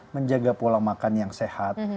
menjaga pola makan yang sehat